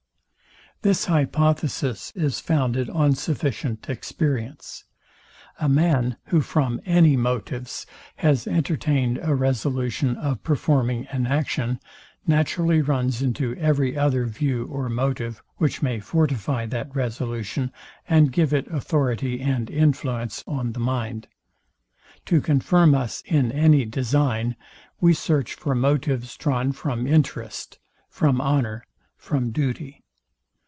This hypothesis is founded on sufficient experience. A man, who from any motives has entertained a resolution of performing an action, naturally runs into every other view or motive, which may fortify that resolution, and give it authority and influence on the mind. To confirm us in any design, we search for motives drawn from interest, from honour, from duty.